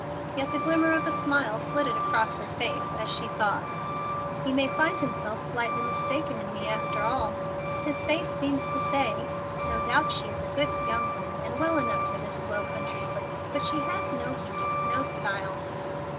Yet the glimmer of a smile flitted across her face as she thought: "He may find himself slightly mistaken in me, after all. His face seems to say, 'No doubt she is a good young woman, and well enough for this slow country place, but she has no beauty, no style.'